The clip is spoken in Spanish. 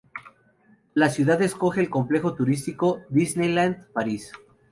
La ciudad acoge el complejo turístico Disneyland Paris.